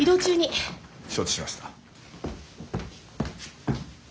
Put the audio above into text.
承知しました。